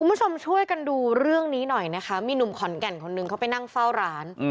คุณผู้ชมช่วยกันดูเรื่องนี้หน่อยนะคะมีหนุ่มขอนแก่นคนนึงเขาไปนั่งเฝ้าร้าน